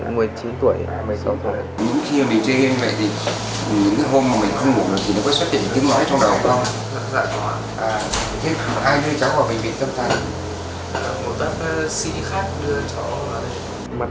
những khi mình chơi game vậy thì những cái hôm mà mình không ngủ được